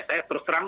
saya terus terang